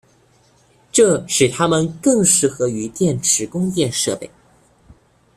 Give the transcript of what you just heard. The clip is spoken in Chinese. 这使它们更适合于电池供电设备。